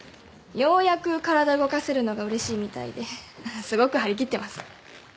ようやく体動かせるのがうれしいみたいですごく張り切ってます。